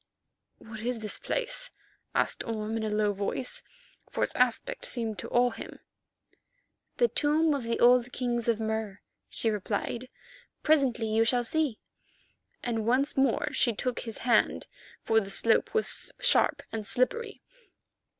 "What is this place?" asked Orme in a low voice, for its aspect seemed to awe him. "The tomb of the old kings of Mur," she replied. "Presently you shall see," and once more she took his hand, for the slope was sharp and slippery.